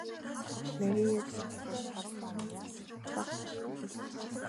Марияд эх орноо хайрлах үзэл нялх бага байхад нь л төлөвшсөн.